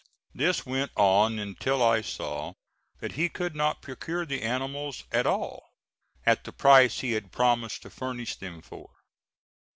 This went on until I saw that he could not procure the animals at all at the price he had promised to furnish them for.